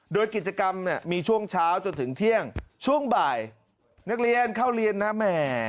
โดยกิจกรรมเนี่ยมีช่วงเช้าจนถึงเที่ยงช่วงบ่ายนักเรียนเข้าเรียนนะแหม